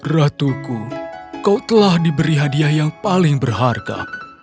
ratuku kau telah diberi hadiah yang paling berharga